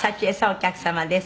お客様です」